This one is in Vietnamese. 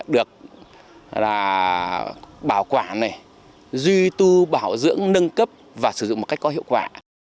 được bảo quản duy tu bảo dưỡng nâng cấp và sử dụng một cách có hiệu quả